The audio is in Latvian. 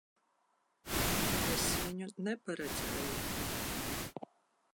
Es viņu neparedzēju.